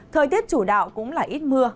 thời tiết chủ đạo cũng là ít mưa